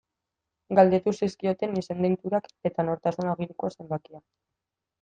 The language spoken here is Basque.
Galdetu zizkioten izen-deiturak eta nortasun agiriko zenbakia.